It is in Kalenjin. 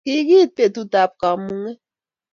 Kikiite betut ab kamunget